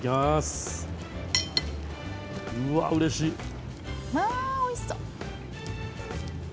うわあおいしそう！